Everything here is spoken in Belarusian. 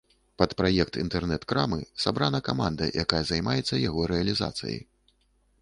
Пад праект інтэрнэт-крамы сабрана каманда, якая займаецца яго рэалізацыяй.